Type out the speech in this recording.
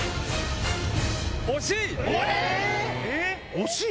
惜しい？